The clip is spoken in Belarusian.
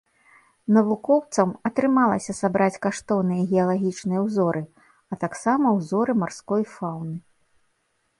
Навукоўцам атрымалася сабраць каштоўныя геалагічныя ўзоры, а таксама ўзоры марской фауны.